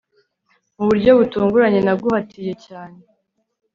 Mu buryo butunguranye naguhatiye cyane